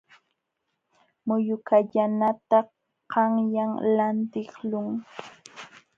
Muyu kallanata qanyan lantiqlun.